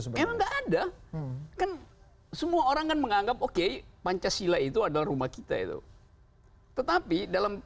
sekarang enggak ada kan semua orang kan menganggap oke pancasila itu adalah rumah kita itu tetapi dalam